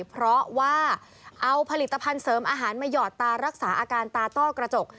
เพราะว่าเอาผลิตภัณฑ์เสริมอาหารมาหยอดตารักษาอาการตาต้อกระจก